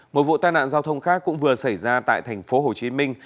một vụ tai nạn giao thông khác cũng vừa xảy ra tại thành phố hồ chí minh